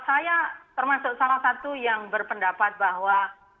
saya termasuk salah satu yang berpendapat bahwa